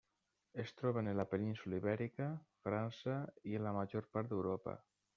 Es troben en la península Ibèrica, França i en la major part d'Europa.